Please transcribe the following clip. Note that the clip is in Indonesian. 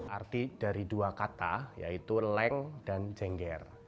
arti dari dua kata yaitu leng dan jengger